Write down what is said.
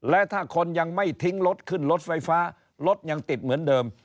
และถ้าคนยังไม่ทิ้งรถขึ้นรถไฟฟ้ารถยังติดเหมือนเดิม